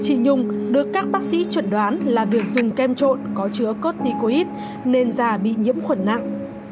chị nhung được các bác sĩ chuẩn đoán là việc dùng kem trộn có chứa cotticoid nên già bị nhiễm khuẩn nặng